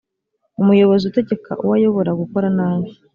umuyobozi utegeka uwo ayobora gukora nabi